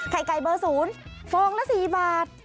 ไก่เบอร์๐ฟองละ๔บาท